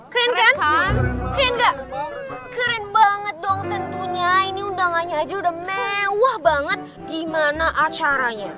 keren kan keren enggak keren banget dong tentunya ini undangannya aja udah mewah banget gimana acaranya